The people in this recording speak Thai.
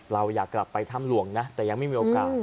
เราอยากกลับไปถ้ำหลวงนะแต่ยังไม่มีโอกาส